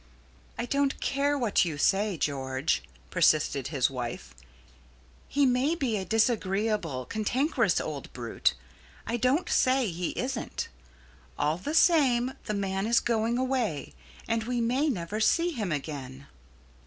"I don't care what you say, George," persisted his wife; "he may be a disagreeable, cantankerous old brute I don't say he isn't. All the same, the man is going away, and we may never see him again."